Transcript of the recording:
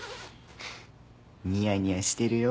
ニヤニヤしてるよ。